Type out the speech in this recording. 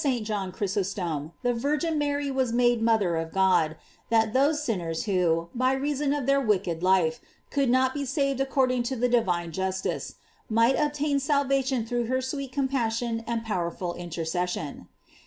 fc» For this end, says St. John Chrysoitom, the Virgin Mary was made mother of God, that those sinners who, by reason of their wicked life, could not be saved according to the divine justice, might obtain salvation through her sweet compassion and powerful intercession.